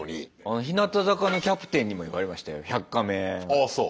ああそう。